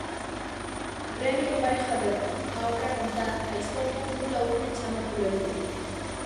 Premio Barriga Verde, a obra conta a historia dun lobo que chama pola lúa.